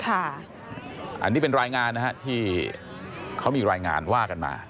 อันนี้เป็นรายงานนะฮะที่เขามีรายงานว่ากันมา